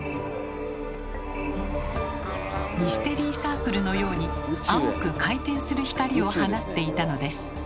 ミステリーサークルのように青く回転する光を放っていたのです。